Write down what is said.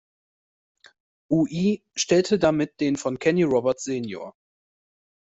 Ui stellte damit den von Kenny Roberts sr.